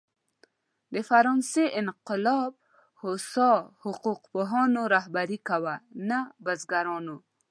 د فرانسې انقلاب هوسا حقوق پوهانو رهبري کاوه، نه بزګرانو.